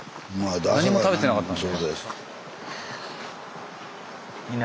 何も食べてなかったんで。